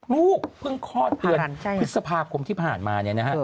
ลูกเพิ่งคลอดเตือนพฤษภาคมที่ผ่านมา